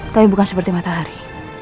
tapi bukan seperti matahari